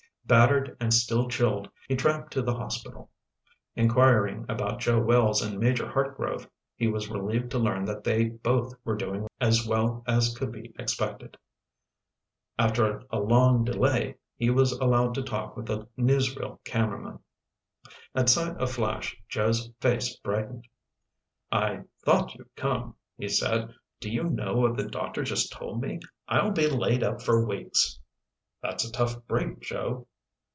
Battered and still chilled, he tramped to the hospital. Inquiring about Joe Wells and Major Hartgrove, he was relieved to learn that they both were doing as well as could be expected. After a long delay he was allowed to talk with the newsreel cameraman. At sight of Flash, Joe's face brightened. "I thought you'd come," he said. "Do you know what the doctor just told me? I'll be laid up for weeks!" "That's a tough break, Joe."